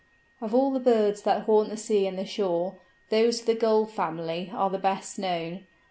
Of all the birds that haunt the sea and the shore, those of the Gull family are the best known.